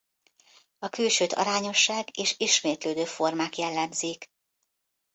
A külsőt arányosság és ismétlődő formák jellemzik.